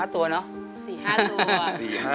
๔๕ตัวเนอะ